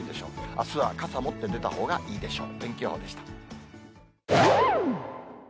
あすは傘持って出たほうがいいでしょう。